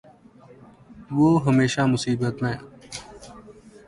وہ ہمیشہ مصیبت میں